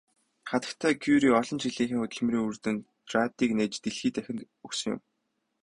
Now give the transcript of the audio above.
Хатагтай Кюре олон жилийнхээ хөдөлмөрийн үр дүнд радийг нээж дэлхий дахинд өгсөн юм.